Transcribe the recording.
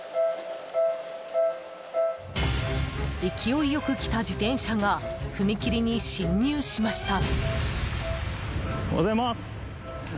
勢いよく来た自転車が踏切に進入しました。